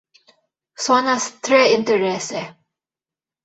Sonas tre interese!